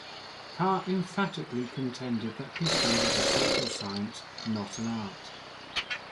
Carr emphatically contended that history was a social science, not an art.